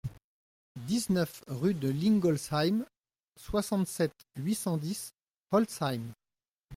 dix-neuf rue de Lingolsheim, soixante-sept, huit cent dix, Holtzheim